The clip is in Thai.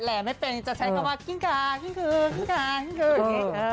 แหล่ไม่เป็นจากชั้นคือว่ากิ้งกากิ้งกื